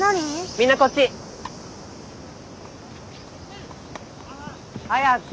みんなこっち。早く！